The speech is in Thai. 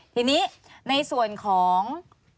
ทีนี้ในส่วนของ